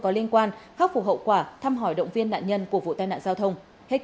có liên quan khắc phục hậu quả thăm hỏi động viên nạn nhân của vụ tai nạn giao thông